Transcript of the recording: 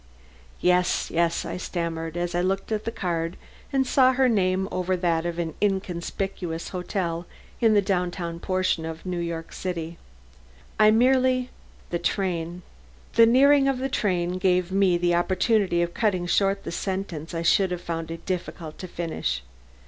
"Yes, yes," I stammered, as I looked at the card and saw her name over that of an inconspicuous hotel in the down town portion of New York City. "I merely " The nearing of the train gave me the opportunity of cutting short the sentence I should have found it difficult to finish.